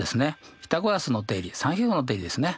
ピタゴラスの定理三平方の定理ですね。